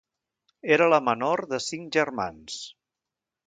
Era la menor de cinc germans.